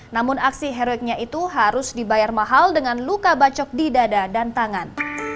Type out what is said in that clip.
namun aksi heroiknya itu harus dibayar mahal dengan luka bacok di dada dan tangan